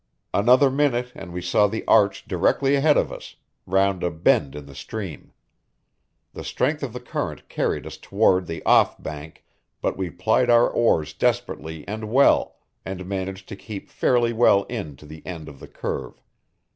Another minute and we saw the arch directly ahead of us, round a bend in the stream. The strength of the current carried us toward the off bank, but we plied our oars desperately and well, and managed to keep fairly well in to the end of the curve.